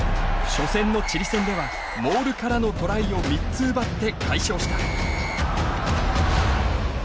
初戦のチリ戦ではモールからのトライを３つ奪って快勝した。